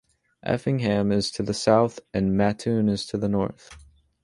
Effingham is to the south, and Mattoon is to the north.